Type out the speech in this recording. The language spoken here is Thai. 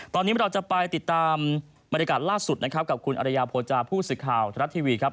ตอนนี้เราจะไปติดตามบรรยากาศล่าสุดนะครับกับคุณอรยาโภจาผู้สื่อข่าวธนรัฐทีวีครับ